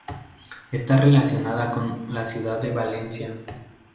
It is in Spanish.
Está relacionada con la ciudad de Valencia.